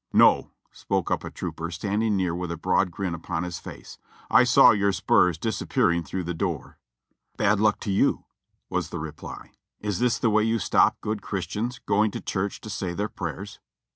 "No," spoke up a trooper, standing near with a broad grin upon his face, "I saw your spurs disappearing through the door." "Bad luck to you!" was the reply. "Is this the way you stop good Christians going to church to say their prayers?"